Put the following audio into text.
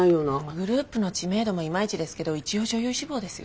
グループの知名度もいまいちですけど一応女優志望ですよ。